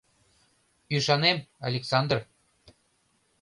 — Ӱшанем, Александр.